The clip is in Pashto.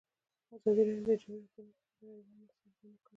ازادي راډیو د د جګړې راپورونه په اړه د نړیوالو مرستو ارزونه کړې.